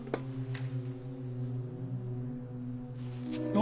何？